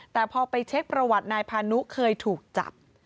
แต่พอไปเช็คประวัตินายพานุเคยถูกจับ